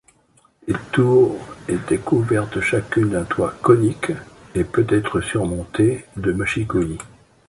Les tours étaient couvertes chacune d'un toit conique, et peut-être surmontées de mâchicoulis.